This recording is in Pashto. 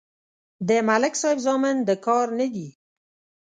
د ملک صاحب زامن د کار نه دي.